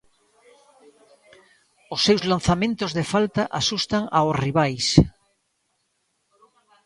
Os seus lanzamentos de falta asustan aos rivais.